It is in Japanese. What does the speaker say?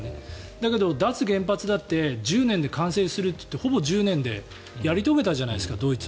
だけど、脱原発だって１０年で完成するって言ってほぼ１０年でやり遂げたじゃないですか。